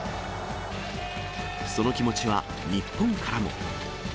その気持ちは日本からも。